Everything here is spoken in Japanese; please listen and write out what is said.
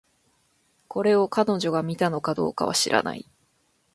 これを、彼女が見たのかどうかは知らない